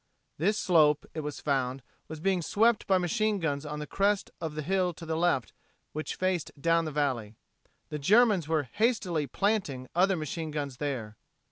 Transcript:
This slope, it was found, was being swept by machine guns on the crest of the hill to the left which faced down the valley. The Germans were hastily "planting" other machine guns there.